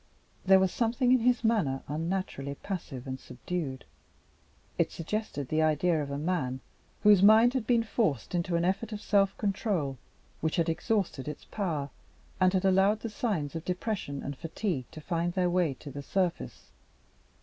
There was something in his manner unnaturally passive and subdued. It suggested the idea of a man whose mind had been forced into an effort of self control which had exhausted its power, and had allowed the signs of depression and fatigue to find their way to the surface.